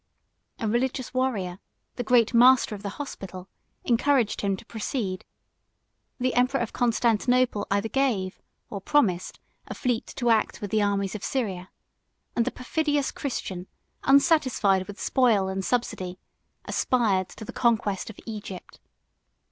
442 A religious warrior, the great master of the hospital, encouraged him to proceed; the emperor of Constantinople either gave, or promised, a fleet to act with the armies of Syria; and the perfidious Christian, unsatisfied with spoil and subsidy, aspired to the conquest of Egypt.